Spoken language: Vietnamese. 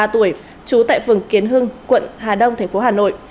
trú tại phường kiến hưng quận hà đông tp hà nội